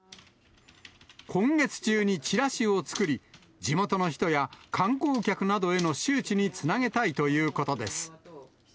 今月中にチラシを作り、地元の人や観光客などへの周知につなげたいということです。